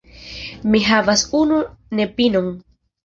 Mi havas unu nepinon.